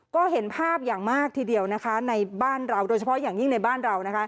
ก็เห็นภาพอย่างมากทีเดียวนะคะในบ้านเราโดยเฉพาะอย่างยิ่งในบ้านเรา